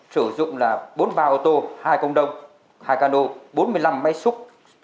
sử dụng là bốn mươi ba ô tô hai công đông hai cano bốn mươi năm máy xúc